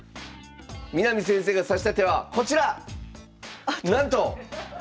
南先生が指した手はこちら！